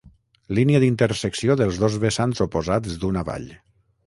Línia d'intersecció dels dos vessants oposats d'una vall.